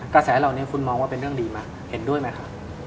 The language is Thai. กระแสเหล่านี้คุณมองว่าเป็นเรื่องดีไหมเห็นด้วยไหมคะ